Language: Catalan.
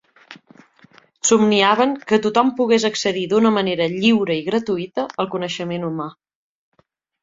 Somniaven que tothom pogués accedir d’una manera lliure i gratuïta al coneixement humà.